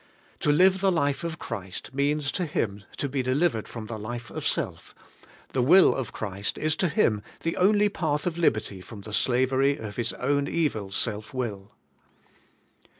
To live the life of Christ means to him to be delivered from the life of self; the will of Christ is to him the only path of liberty from the slavery of his own evil self will.